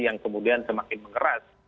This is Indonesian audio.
yang kemudian semakin mengeras